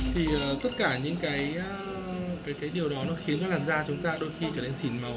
thì tất cả những cái điều đó nó khiến cho làn da chúng ta đôi khi trở nên xỉn màu